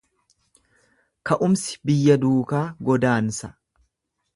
Ka'umsi biyya duukaa godaansa.